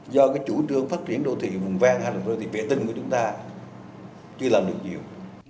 do cái chủ trương phát triển đô thị vùng vàng đô thị vệ tinh của chúng ta chưa làm được nhiều